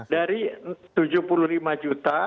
dari tujuh puluh lima juta